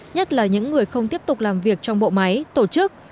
nhất là những người không tiếp tục làm việc trong bộ máy tổ chức